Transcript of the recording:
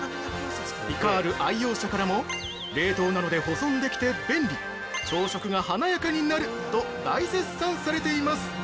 ピカール愛用者からも「冷凍なので保存できて便利」「朝食が華やかになる！」と大絶賛されています。